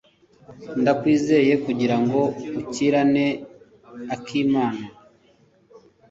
Ndakwizeye kugirango ukurikirane akimana.